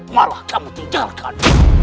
malah kamu tinggalkan